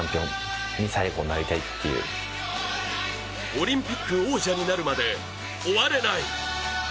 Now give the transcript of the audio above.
オリンピック王者になるまで終われない。